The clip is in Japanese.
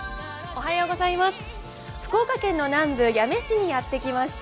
福岡県の南部八女市にやってきました。